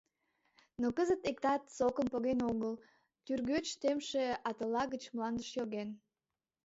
Но кызыт иктат сокым поген огыл, тӱргоч темше атыла гыч мландыш йоген.